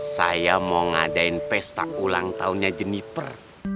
saya mau ngadain pesta ulang tahunnya jemiper